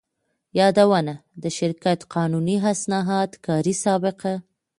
يادونه: د شرکت قانوني اسناد، کاري سابقه،